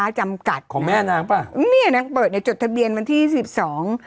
นะฮะของแม่นางป่ะเงี้ยนังเปิดในจดทะเบียนวันที่สิบสอง